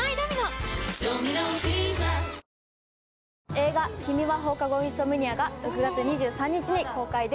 映画『君は放課後インソムニア』が６月２３日に公開です。